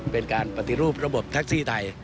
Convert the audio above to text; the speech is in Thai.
เป็นการปฏิรูประบบแท็กซี่ไทย